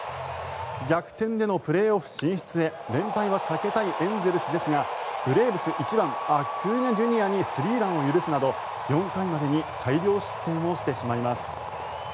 逆転でのプレーオフ進出へ連敗は避けたいエンゼルスですがブレーブス１番、アクーニャＪｒ．にスリーランを許すなど４回までに大量失点をしてしまいます。